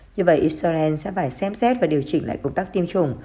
như vậy israel sẽ phải xem xét và điều chỉnh lại công tác tiêm chủng